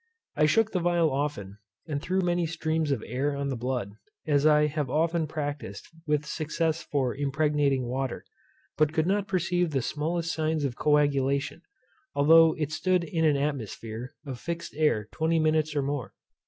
I shook the phial often, and threw many streams of air on the blood, as I have often practised with success for impregnating water; but could not perceive the smallest signs of coagulation, although it stood in an atmosphere of fixed air 20 minutes or more.